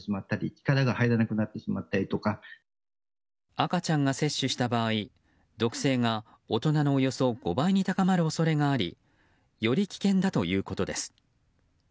赤ちゃんが摂取した場合毒性が大人のおよそ５倍に高まる恐れがありより危険だということです。